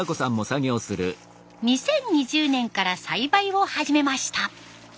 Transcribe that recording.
２０２０年から栽培を始めました。